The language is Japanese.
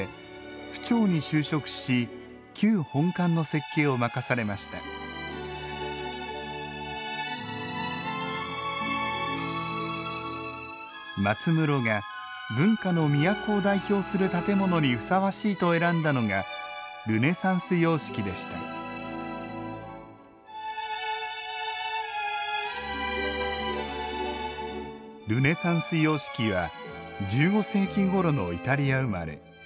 府庁に就職し旧本館の設計を任されました松室が「文化の都を代表する建物にふさわしい」と選んだのがルネサンス様式でしたルネサンス様式は１５世紀ごろのイタリア生まれ。